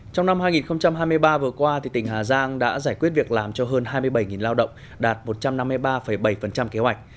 trong năm hai nghìn hai mươi ba vừa qua tỉnh hà giang đã giải quyết việc làm cho hơn hai mươi bảy lao động đạt một trăm năm mươi ba bảy kế hoạch